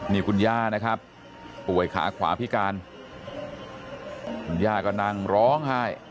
นี่คุณย่านะครับป่วยขาขวาพิการคุณย่าก็นั่งร้องไห้